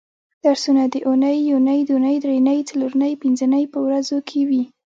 درسونه د اونۍ یونۍ دونۍ درېنۍ څلورنۍ پبنځنۍ په ورځو کې وي